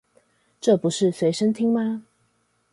這不是隨身聽嗎